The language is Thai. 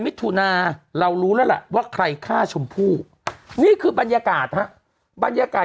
มิถุนาเรารู้แล้วล่ะว่าใครฆ่าชมพู่นี่คือบรรยากาศฮะบรรยากาศ